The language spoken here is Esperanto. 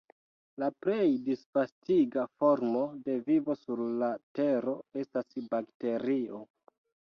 La plej disvastigita formo de vivo sur la Tero estas bakterio.